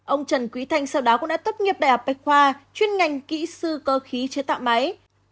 ông trần quý thanh sau đó cũng đã tốt nghiệp đại học bách khoa chuyên ngành kỹ sư cơ khí chế tạo máy